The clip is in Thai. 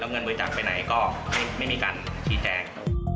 เงินบริจาคไปไหนก็ไม่มีการชี้แจง